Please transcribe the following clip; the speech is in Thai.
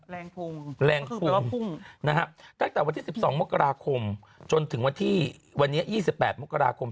แรงพุงแรงพุงนะฮะตั้งแต่วันที่สิบสองมกราคมจนถึงวันที่วันนี้ยี่สิบแปดมกราคม